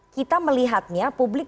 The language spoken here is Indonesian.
kita melihatnya publik